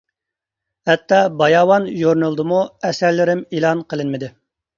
ھەتتا «باياۋان» ژۇرنىلىدىمۇ ئەسەرلىرىم ئېلان قىلىنمىدى.